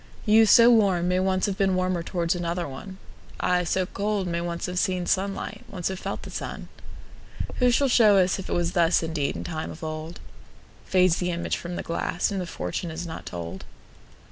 You, so warm, may once have beenWarmer towards another one:I, so cold, may once have seenSunlight, once have felt the sun:Who shall show us if it wasThus indeed in time of old? Fades the image from the glass, And the fortune is not told.